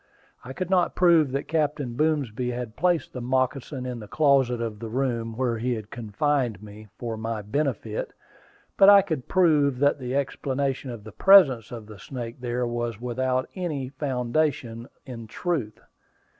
I could not prove that Captain Boomsby had placed the moccasin in the closet of the room where he had confined me, for my benefit, but I could prove that the explanation of the presence of the snake there was without any foundation in truth.